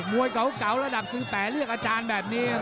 วยเก่าระดับ๑๘เรียกอาจารย์แบบนี้